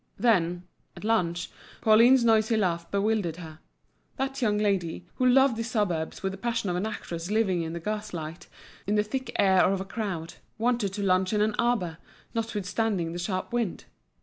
Then, at lunch, Pauline's noisy laugh bewildered her. That young lady, who loved the suburbs with the passion of an actress living in the gas light, in the thick air of a crowd, wanted to lunch in an arbour, notwithstanding the sharp wind.